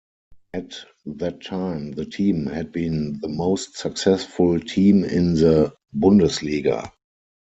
At that time the team had been the most successful team in the Bundesliga.